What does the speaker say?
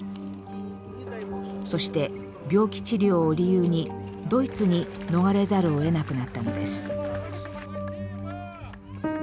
そして病気治療を理由にドイツに逃れざるをえなくなったのです。